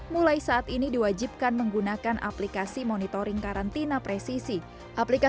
mulai saat ini diwajibkan menggunakan aplikasi monitoring karantina presisi